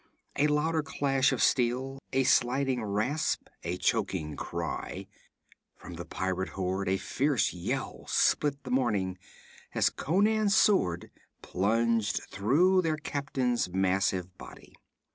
A louder clash of steel, a sliding rasp, a choking cry from the pirate horde a fierce yell split the morning as Conan's sword plunged through their captain's massive body.